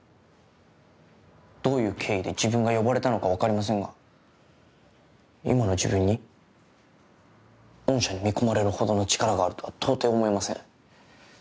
どういう経緯で自分が呼ばれたのか分かりませんが今の自分に御社に見込まれるほどの力があるとは到底思えません。